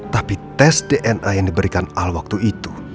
tapi tes dna yang diberikan al waktu itu